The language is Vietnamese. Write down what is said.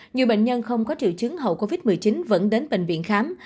nhiều bệnh nhân không có triệu chứng hậu covid một mươi chín vẫn đến bệnh viện khám